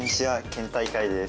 県大会です。